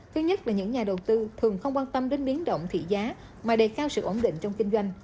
thứ nhất là những nhà đầu tư thường không quan tâm đến biến động thị giá mà đề cao sự ổn định trong kinh doanh